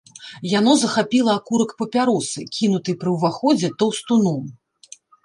Яно захапіла акурак папяросы, кінутай пры ўваходзе таўстуном.